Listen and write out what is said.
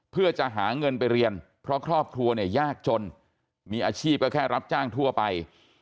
เพื่อจะหาเงินไปเรียนเพราะครอบครัวเนี่ยยากจนมีอาชีพก็แค่รับจ้างทั่วไป